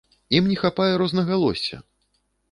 Ім не хапае рознагалосся!